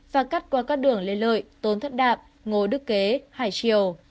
và cắt qua các đường lê lợi tốn thất đạp ngô đức kế hải triều